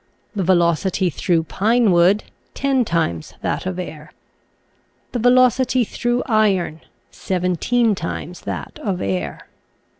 The velocity through pine wood, ten times that of air. The velocity through iron, seventeen times that of air.